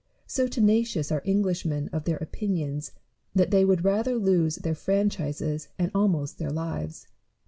So tenacious are Englishmen of their opinions, that they would rather lose their franchises and almost their lives.